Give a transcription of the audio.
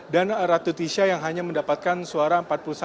dan ratu tisha yang hanya mendapatkan suara empat puluh satu